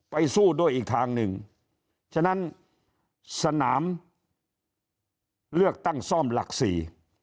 สู้ด้วยอีกทางหนึ่งฉะนั้นสนามเลือกตั้งซ่อมหลักสี่